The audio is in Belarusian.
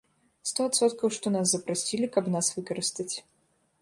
Сто адсоткаў, што нас запрасілі, каб нас выкарыстаць.